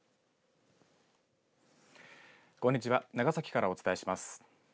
こんにちは長崎からお伝えします。